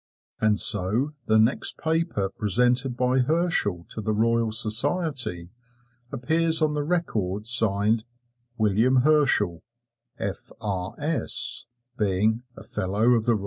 And so the next paper presented by Herschel to the Royal Society appears on the record signed "William Herschel, F.R.S."